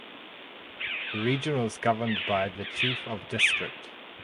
The region was governed by the Chief of District.